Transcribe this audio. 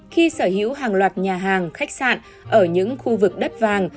khi sở hữu hàng loạt nhà hàng khách sạn ở những khu vực đất vàng